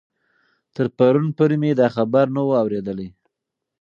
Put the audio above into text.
تر پرون پورې مې دا خبر نه و اورېدلی.